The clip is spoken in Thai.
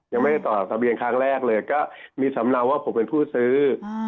ยังไม่ได้ต่อทะเบียนครั้งแรกเลยก็มีสำเนาว่าผมเป็นผู้ซื้อ